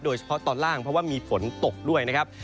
โดยเฉพาะตอนล่างเพราะว่ามีฝนตกด้วยนะครับ